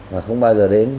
mà không bao giờ đến